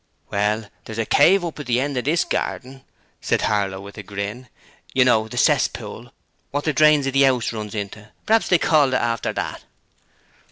'Well, there's a cave up at the end of this garden,' said Harlow with a grin, 'you know, the cesspool, what the drains of the 'ouse runs into; praps they called it after that.'